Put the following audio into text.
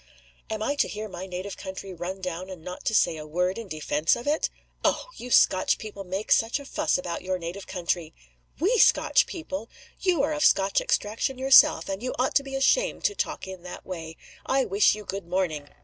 "Am I to hear my native country run down and not to say a word in defense of it?" "Oh! you Scotch people make such a fuss about your native country!" "We Scotch people! you are of Scotch extraction yourself, and you ought to be ashamed to talk in that way. I wish you good morning!"